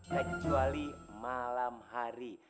kecuali malam hari